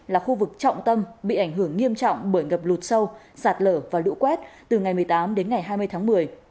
là khu vực trọng tâm bị ảnh hưởng nghiêm trọng bởi ngập lụt sâu sạt lở và lũ quét từ ngày một mươi tám đến ngày hai mươi tháng một mươi